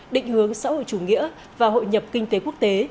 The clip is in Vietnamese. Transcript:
định hướng xã hội chủ nghĩa và hội nhập kinh tế quốc tế